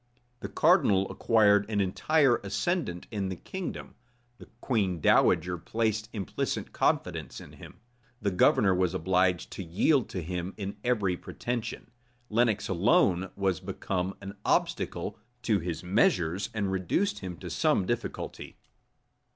The cardinal acquired an entire ascendant in the kingdom: the queen dowager placed implicit confidence in him: the governor was obliged to yield to him in every pretension: Lenox alone was become an obstacle to his measures, and reduced him to some difficulty.